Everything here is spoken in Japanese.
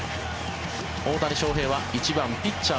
大谷翔平は１番ピッチャー。